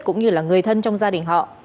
cũng như là người thân trong gia đình họ